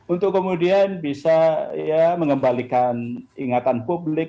untuk kemudian bisa mengembalikan ingatan publik